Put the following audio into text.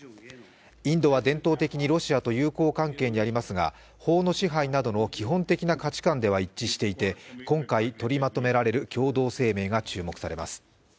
インドは伝統的にロシアと友好関係にありますが法の支配などの基本的な価値観では一致していて今回、取りまとめられる共同声明が注目されます。